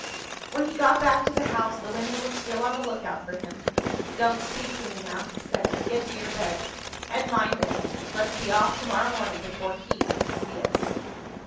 When he got back to the house, the women were still on the look out for him. "Don't speak to me now," he said. "Get to your beds. And, mind this let's be off to morrow morning before he can see us."